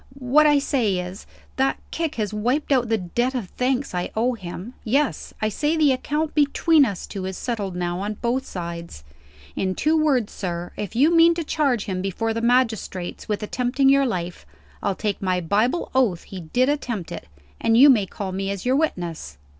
What I say is that kick has wiped out the debt of thanks I owe him. Yes. I say the account between us two is settled now, on both sides. In two words, sir, if you mean to charge him before the magistrates with attempting your life, I'll take my Bible oath he did attempt it, and you may call me as your witness.